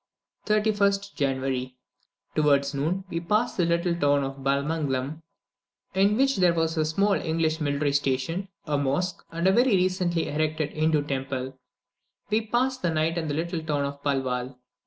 31st January. Towards noon, we passed through the little town of Balamgalam, in which there is a small English military station, a mosque, and a very recently erected Hindoo temple. We passed the night in the little town of Palwal.